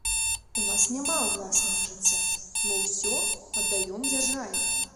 У нас няма ўласнага жыцця, мы ўсё аддаём дзяржаве.